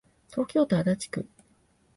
東京都足立区